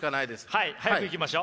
はい早くいきましょう。